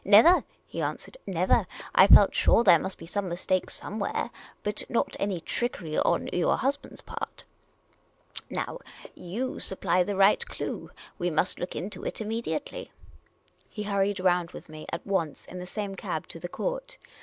" Never !" he answered. " Never ! I felt sure there must be some mistake somewhere, but not any trickery on — your husband's part. Now, jou supply the right clue. We must look into it immediately." He hurried round with me at once in the same cab to the court.